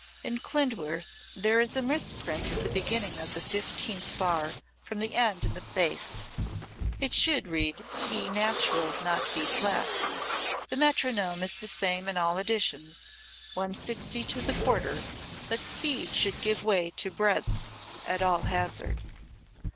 In Klindworth there is a misprint at the beginning of the fifteenth bar from the end in the bass. It should read B natural, not B flat. The metronome is the same in all editions, 160 to the quarter, but speed should give way to breadth at all hazards.